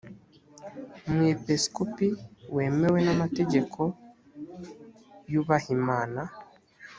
umwepiskopi wemewe namategeko yubahimana.